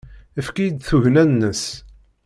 Efk-iyi-d tugna-nnes!